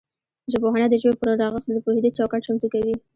ژبپوهنه د ژبې پر رغښت د پوهیدو چوکاټ چمتو کوي